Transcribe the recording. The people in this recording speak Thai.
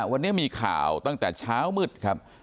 วันนี้มีข่าวตั้งแต่เช้ามืดครับ